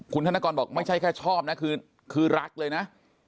คุณธนกรบอกไม่ใช่แค่ชอบนะคือรักเลยนะ